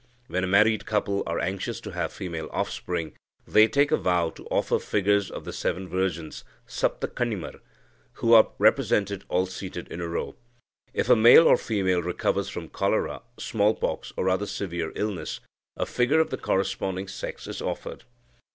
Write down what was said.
When a married couple are anxious to have female offspring, they take a vow to offer figures of the seven virgins (Saptha Kannimar), who are represented all seated in a row. If a male or female recovers from cholera, smallpox, or other severe illness, a figure of the corresponding sex is offered.